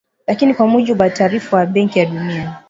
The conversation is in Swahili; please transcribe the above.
Lakini kwa mujibu wa taarifa ya Benki ya Dunia